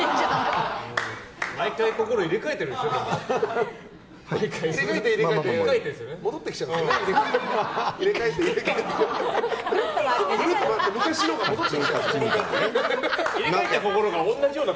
毎回心を入れ替えているんですよね。